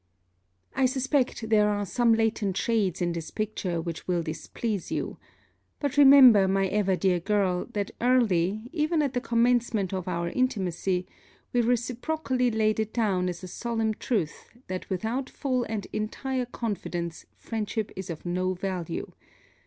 I suspect there are some latent shades in this picture which will displease you: but remember, my ever dear girl, that early, even at the commencement of our intimacy, we reciprocally laid it down as a solemn truth that without full and entire confidence friendship is of no value.